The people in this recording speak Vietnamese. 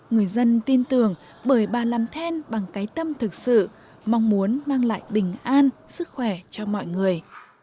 người dân tin tưởng bởi bà làm then bằng cái tâm thực sự mong muốn mang lại bình an sức khỏe cho mọi người